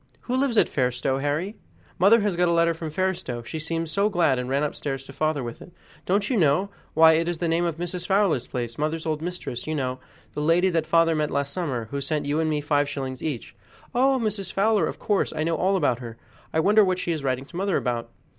"Who lives at Fairstowe, Harry? Mother has got a letter from Fairstowe; she seemed so glad, and ran upstairs to father with it." "Don't you know? Why, it is the name of Mrs. Fowler's place mother's old mistress, you know the lady that father met last summer, who sent you and me five shillings each." "Oh! Mrs. Fowler. Of course, I know all about her. I wonder what she is writing to mother about."